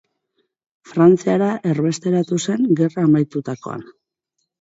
Frantziara erbesteratu zen gerra amaitutakoan.